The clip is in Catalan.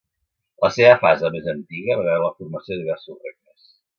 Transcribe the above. La seva fase més antiga va veure la formació de diversos regnes.